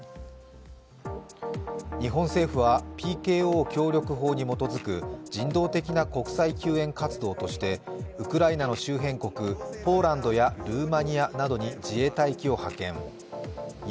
日本政府はＰＫＯ協力法に基づく人道的な国際救援活動としてウクライナの周辺国、ポーランドやルーマニアなどに自衛隊機を派遣。